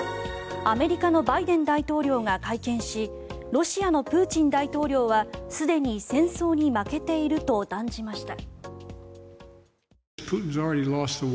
アメリカのバイデン大統領が会見しロシアのプーチン大統領はすでに戦争に負けていると断じました。